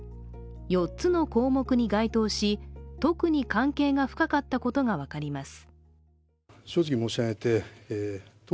４つの項目に該当し、特に関係が深かったことが分かります。